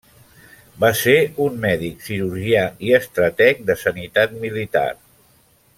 Va ser un mèdic cirurgià i estrateg de sanitat militar.